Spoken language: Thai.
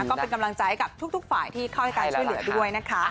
ก็เป็นกำลังใจกับทุกฝ่ายที่เข้าให้การช่วยเหลือด้วยนะคะ